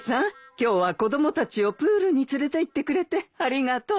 今日は子供たちをプールに連れていってくれてありがとう。